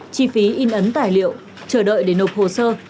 chi phí in ấn tài liệu chờ đợi để nộp hồ sơ